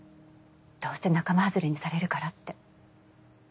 どうせ仲間外れにされるからって。